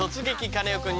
カネオくん」。